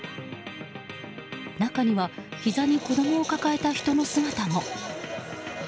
中にはひざに子供を抱えた人の姿も。